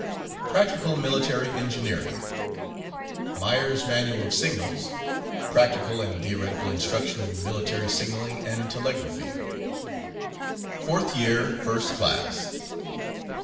Practical Military........Myers' Manual of Signals. Engineering Practical and Theoretical Instruction in Military Signaling and Telegraphy. Fourth Year First Class.